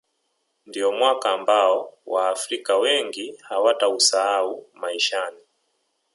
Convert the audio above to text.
ndiyo mwaka ambao waafrika wengi hawatausahau maishani